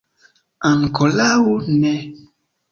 Ankoraŭ ne.